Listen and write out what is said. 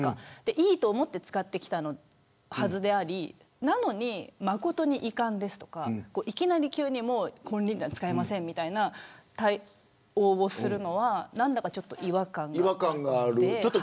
いいと思って使ってきたはずであってなのに、誠に遺憾ですとかいきなり急に金輪際使いませんみたいな対応をするのは何だか違和感があって。